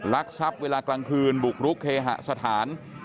ลักทรัพย์เวลากลางคืนบุกรุกเคหสถาน